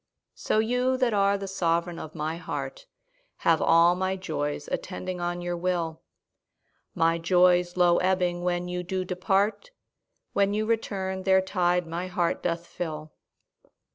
So you that are the sovereign of my heart Have all my joys attending on your will; My joys low ebbing when you do depart, When you return their tide my heart doth fill.